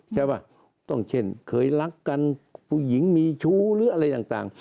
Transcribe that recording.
ใช่ป่ะต้องเช่นเคยรักกันผู้หญิงมีชู้หรืออะไรต่าง